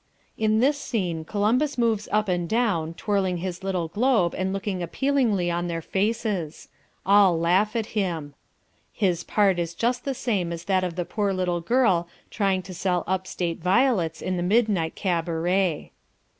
In this scene Columbus moves up and down, twirling his little globe and looking appealingly in their faces. All laugh at him. His part is just the same as that of the poor little girl trying to sell up state violets in the midnight cabaret.